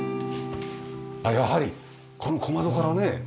あっやはりこの小窓からね。